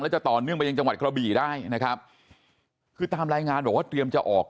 จะต่อเนื่องไปยังจังหวัดกระบี่ได้นะครับคือตามรายงานบอกว่าเตรียมจะออก